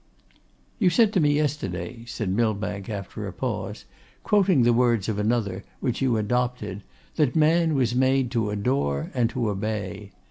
'You said to me yesterday,' said Millbank after a pause, 'quoting the words of another, which you adopted, that Man was made to adore and to obey.